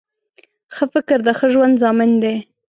ښه فکر د ښه ژوند ضامن دی